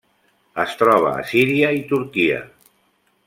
Es troba a Síria i Turquia.